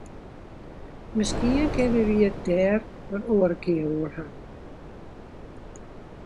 Miskien kinne wy it der in oare kear oer hawwe.